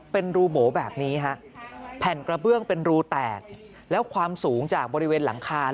เป็นรูโบแบบนี้ฮะแผ่นกระเบื้องเป็นรูแตกแล้วความสูงจากบริเวณหลังคา